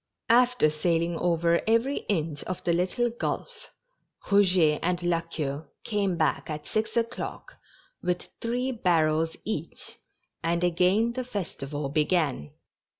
After sailing over every inch of the little gulf, Rouget and La Queue came back at six o'clock with three bar rels each, and again the festival began.